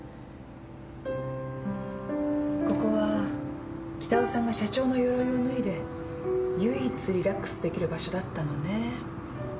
ここは北尾さんが社長のよろいを脱いで唯一リラックスできる場所だったのね。